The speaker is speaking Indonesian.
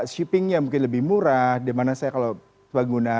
shippingnya mungkin lebih murah dimana saya kalau pengguna